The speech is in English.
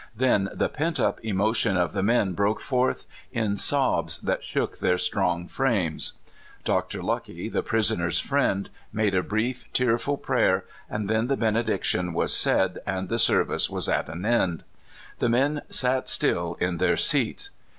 Then the pent up emotion of the men broke forth in sobs that shook their strong frames. Dr. Lucky, the prisoner's friend, made a brief, tearful prayer, and then the benediction was said, and the service was at an end. The men sat still in their seats.